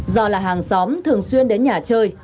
do là hàng xóm thường xuyên đến nhà chơi